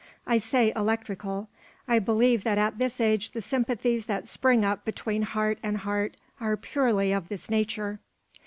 I say electrical. I believe that at this age the sympathies that spring up between heart and heart are purely of this nature.